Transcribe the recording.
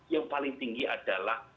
yang paling tinggi adalah